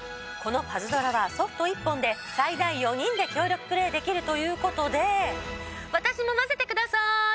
このパズドラはソフト１本で最大４人で協力プレイできるということで私も混ぜてください！